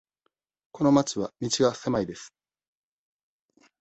この町は道が狭いです。